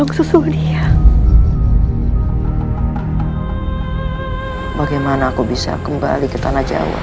aku akan berharap kau kembali ke tanahcamera t